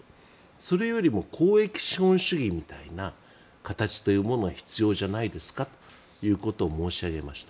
それよりも公益資本主義みたいな形が必要じゃないですかということを申し上げました。